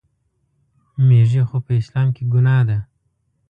میږي خو په اسلام کې ګناه ده.